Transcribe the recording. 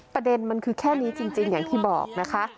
ประเด็นมันคือแค่นี้จริงอย่างที่บอกนะคะ